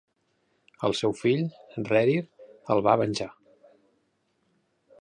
El seu fill, Rerir, el va venjar.